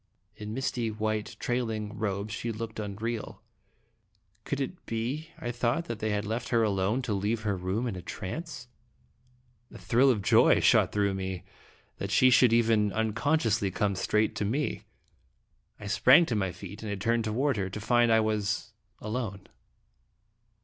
In misty white trailing robe, she looked unreal. Could it be, I thought, that they had left her alone to leave her room in a trance? A thrill of joy shot through me that she should even uncon sciously come straight to me. I sprang to my feet and turned toward her to find I was alone!